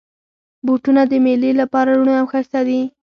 بوټونه د مېلې لپاره روڼ او ښایسته وي.